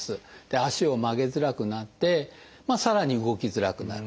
足を曲げづらくなってさらに動きづらくなる。